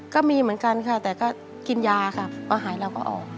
ก็มีเหมือนกันค่ะแต่ก็กินยาค่ะพอหายเราก็ออก